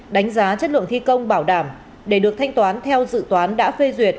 đánh giá chất lượng thi công bảo đảm để được thanh toán theo dự toán đã phê duyệt